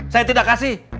saya tidak kasih